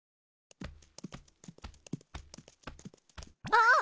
あっ！